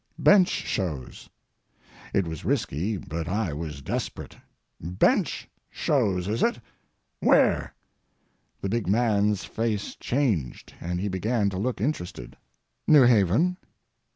"Bench shows." It was risky, but I was desperate. "Bench—shows, is it—where?" The big man's face changed, and he began to look interested. "New Haven."